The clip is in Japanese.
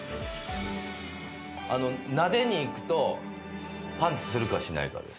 なでにいくとパンチするかしないかです。